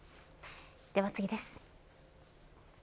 では次です。